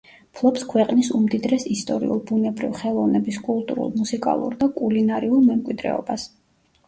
ფლობს ქვეყნის უმდიდრეს ისტორიულ, ბუნებრივ, ხელოვნების, კულტურულ, მუსიკალურ და კულინარიულ მემკვიდრეობას.